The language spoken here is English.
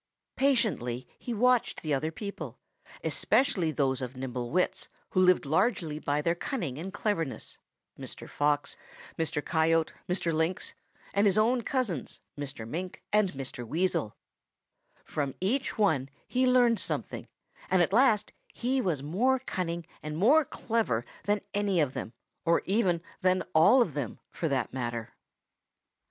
Patiently he watched the other people, especially those of nimble wits who lived largely by their cunning and cleverness Mr. Fox, Mr. Coyote, Mr. Lynx and his own cousins, Mr. Mink and Mr. Weasel. From each one he learned something, and at last he was more cunning and more clever than any of them or even than all of them, for that matter.